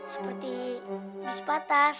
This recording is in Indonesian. seperti bis patas